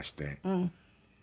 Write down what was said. うん。